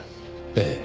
ええ。